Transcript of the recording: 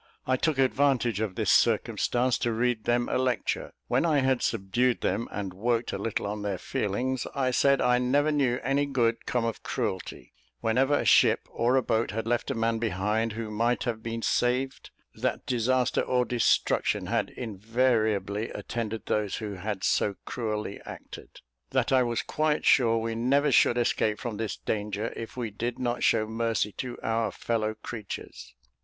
I took advantage of this circumstance to read them a lecture. When I had subdued them, and worked a little on their feelings, I said I never knew any good come of cruelty: whenever a ship or a boat had left a man behind who might have been saved, that disaster or destruction had invariably attended those who had so cruelly acted; that I was quite sure we never should escape from this danger, if we did not show mercy to our fellow creatures.